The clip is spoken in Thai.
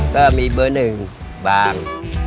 ก็มีเบอร์๑บาง